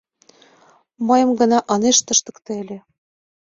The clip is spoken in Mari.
“Мыйым гына ынышт ыштыкте ыле!